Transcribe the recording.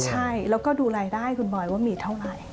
ใช่แล้วก็ดูรายได้คุณบอยว่ามีเท่าไหร่